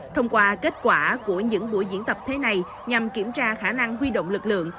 thông qua kết quả của những buổi diễn tập thế này nhằm kiểm tra khả năng huy động lực lượng